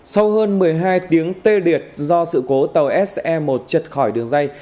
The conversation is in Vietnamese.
sau hơn một mươi hai tiếng tê điệt do sự cố tàu se một chật khỏi đường dây